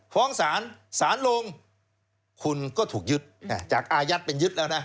ฟ้องศาลศาลลงคุณก็ถูกยึดจากอายัดเป็นยึดแล้วนะ